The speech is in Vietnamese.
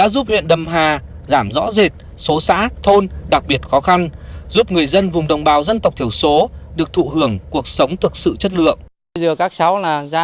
giúp nâng cao năng lực cho học sinh con em miền núi